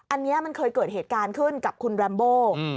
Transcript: อันนี้มันเคยเกิดเหตุการณ์ขึ้นกับคุณแรมโบ